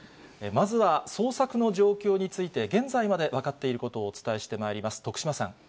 まずは捜索の状況について、現在まで分かっていることをお伝えしてまいります。